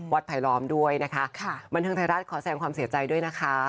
ไผลล้อมด้วยนะคะบันเทิงไทยรัฐขอแสงความเสียใจด้วยนะคะ